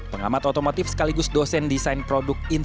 pengamat otomotif sekaligus dosen desain produksi